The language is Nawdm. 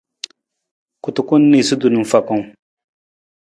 Kutukun niisutu na fakang.